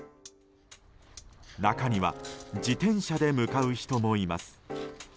中には自転車で向かう人もいます。